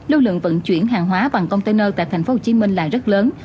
lưu lượng vận chuyển hàng hóa bằng container tại tp hcm là rất lớn